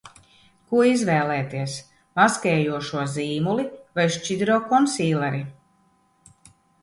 Ko izvēlēties: maskējošo zīmuli vai šķidro konsīleri?